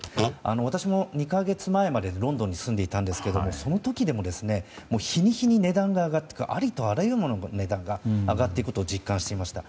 私も２か月前までロンドンに住んでいたんですがその時でも日に日にありとあらゆるものの値段が上がっていくと実感していました。